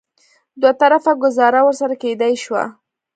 دوه طرفه ګوزاره ورسره کېدای شوه.